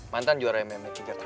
mantan juara mma tiga tahun